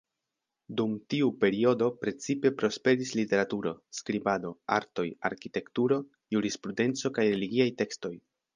Dum tiu periodo precipe prosperis literaturo, skribado, artoj, arkitekturo, jurisprudenco kaj religiaj tekstoj.